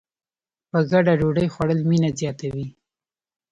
په ګډه ډوډۍ خوړل مینه زیاتوي.